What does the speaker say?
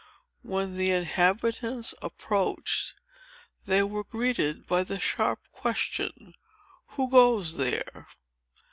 When the inhabitants approached, they were greeted by the sharp question—"Who goes there?"